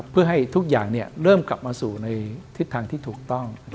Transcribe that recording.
เพื่อให้ทุกอย่างเริ่มกลับมาสู่ในทิศทางที่ถูกต้อง